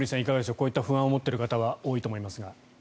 こういった不安を持っている方多いと思いますが。